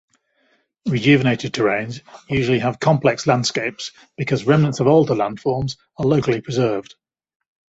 Rejuvenated terrains usually have complex landscapes because remnants of older landforms are locally preserved.